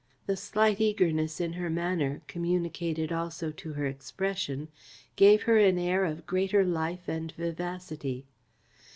The slight eagerness in her manner, communicated also to her expression, gave her an air of greater life and vivacity.